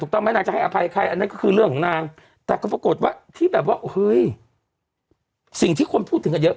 ก็ปรากฎว่าที่แบบว่าเฮ้ยสิ่งที่ควรพูดถึงกันเยอะ